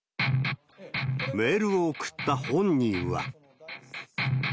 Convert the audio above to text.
メールを送った本人は。